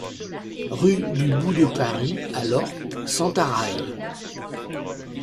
Rue du Bout de Paris à Lorp-Sentaraille